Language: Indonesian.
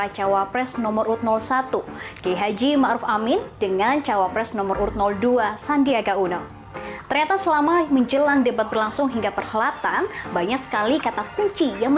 jawa press nomor urut satu maruf amin berlaga dengan jawa press nomor urut dua sandiaga udo dalam gelaran debat pada minggu malam